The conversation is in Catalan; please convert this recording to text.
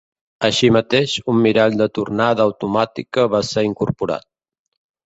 Així mateix, un mirall de tornada automàtica va ser incorporat.